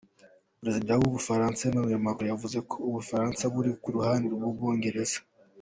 Perezida w'Ubufaransa Emmanuel Macron yavuze ko Ubufaransa buri ku ruhande rw'Ubwongereza.